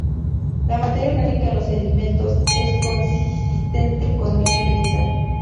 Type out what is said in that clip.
La materia orgánica en los sedimentos es consistente con origen vegetal.